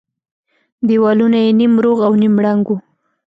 دېوالونه يې نيم روغ او نيم ړنگ وو.